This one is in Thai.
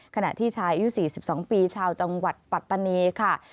ขณะที่ชายอายุ๔๒ปีชาวจังหวัดปัตตานีค่ะ